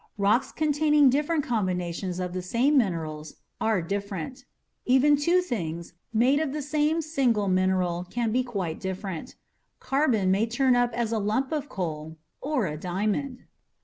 Rocks containing different combinations of the same minerals are different. Even two things made of the same single mineral can be quite different. Carbon may turn up as a lump of coal or a diamond.